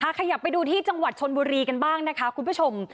ขยับไปดูที่จังหวัดชนบุรีกันบ้างนะคะคุณผู้ชม